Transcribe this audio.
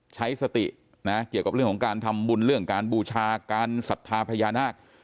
ใช้สตินะเกี่ยวกับเรื่องของการทำบุญเรื่องการบูชาการศรัทธาพญานาค